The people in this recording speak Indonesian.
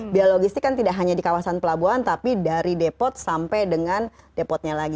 biaya logistik kan tidak hanya di kawasan pelabuhan tapi dari depot sampai dengan depotnya lagi